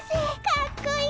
かっこいい！